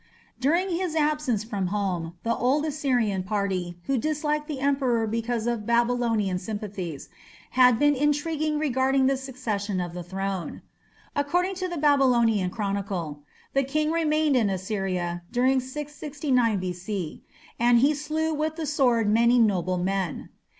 During his absence from home the old Assyrian party, who disliked the emperor because of Babylonian sympathies, had been intriguing regarding the succession to the throne. According to the Babylonian Chronicle, "the king remained in Assyria" during 669 B.C., "and he slew with the sword many noble men".